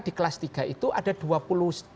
di kelas tiga itu ada rp dua puluh enam sembilan ratus